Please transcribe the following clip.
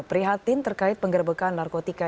prihatin terkait penggerbekan narkotika